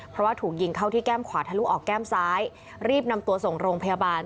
เพราะว่าถูกยิงเข้าที่แก้มขวาทะลุออกแก้มซ้ายรีบนำตัวส่งโรงพยาบาล